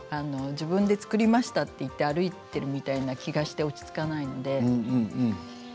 自分で作りましたと言って歩いているみたいな気がして落ち着かないので。